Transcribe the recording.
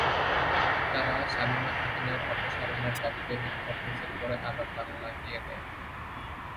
তারা শামীমা খাতুনের অপসারণের দাবিতে বিক্ষোভ মিছিল করে আবার তালা লাগিয়ে দেয়।